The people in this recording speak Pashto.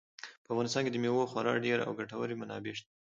په افغانستان کې د مېوو خورا ډېرې او ګټورې منابع شته.